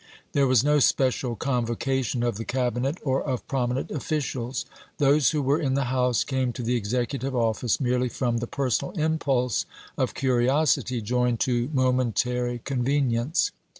There was no special convocation of the Cabi net or of prominent officials. Those who were in the house came to the executive office merely from the personal impulse of curiosity joined to momentary convenience.